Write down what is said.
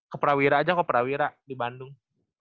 ke prawira aja ke prawira di bandung